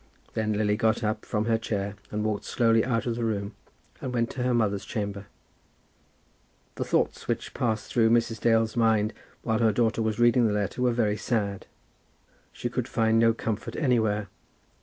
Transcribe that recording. Then Lily got up from her chair and walked slowly out of the room, and went to her mother's chamber. The thoughts which passed through Mrs. Dale's mind while her daughter was reading the letter were very sad. She could find no comfort anywhere.